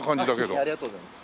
ありがとうございます。